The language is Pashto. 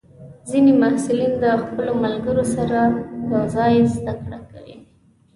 ځینې محصلین د خپلو ملګرو سره یوځای زده کړه کوي.